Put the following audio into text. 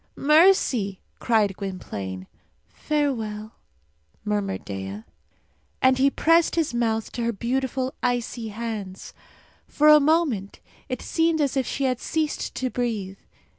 "Mercy!" cried Gwynplaine. "Farewell!" murmured Dea. And he pressed his mouth to her beautiful icy hands. For a moment it seemed as if she had ceased to breathe.